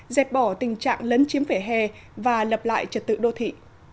dẹp bỏ tình trạng lấn chiếm vỉa hè và lập lại trật tự đô thị